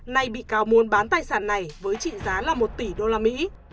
nay bị cáo muốn bán tài sản này với trị giá là một tỷ đô la mỹ